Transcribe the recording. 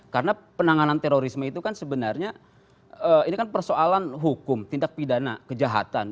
karena penanganan terorisme itu kan sebenarnya ini kan persoalan hukum tindak pidana kejahatan